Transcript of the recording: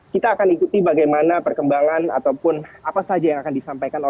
kita akan ikuti bagaimana perkembangan ataupun apa saja yang akan disampaikan